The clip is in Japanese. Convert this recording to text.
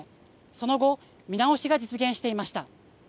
その後、見直しが実現していました。